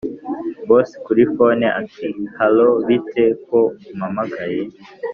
boss kuri phone ati”hallo bite ko umpamagaye?”